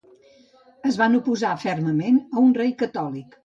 Es van oposar fermament a un rei catòlic.